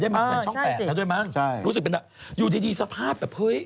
ได้มาแสนช่อง๘แล้วด้วยมั้งรู้สึกเป็นแบบอยู่ดีสภาพแบบเฮ้ย